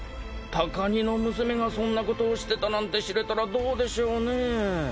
高荷の娘がそんなことをしてたなんて知れたらどうでしょうねぇ。